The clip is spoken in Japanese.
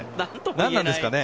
何なんですかね。